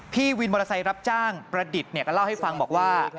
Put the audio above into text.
พี่วินมอเตอร์ไซค์รับจ้างประดิษฐ์ก็เล่าให้ฟังบอกว่า